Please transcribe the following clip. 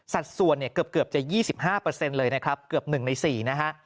สัดส่วนเนี่ยเกือบจะ๒๕เลยนะครับเกือบ๑ใน๔นะฮะ